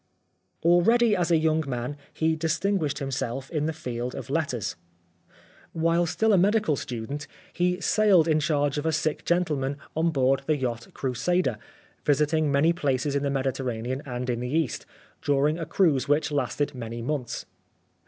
Already as a young man he distinguished himself in the field of letters. While still a medical student he sailed in charge of a sick gentleman on board the yacht Crusader, visiting many places in the Mediterranean and in the East, during a cruise which lasted many months.